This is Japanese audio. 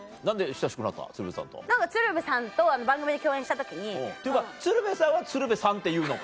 鶴瓶さんと番組で共演した時に。というか鶴瓶さんは鶴瓶さんって言うのか。